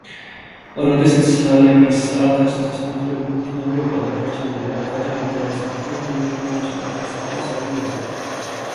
როდესაც სალემის ალქაჯთა სასამართლოები მიმდინარეობდა, გადარჩენილი ალქაჯები გადასახლდნენ ნიუ-ორლეანში და მას ახალი სალემი ეწოდა.